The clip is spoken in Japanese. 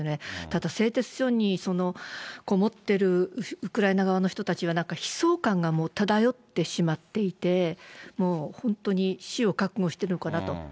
ただ製鉄所にこもってるウクライナ側の人たちはなんか悲壮感がもう漂ってしまっていて、もう本当に死を覚悟しているのかなと。